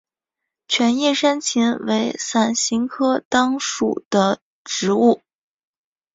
全叶山芹为伞形科当归属的植物。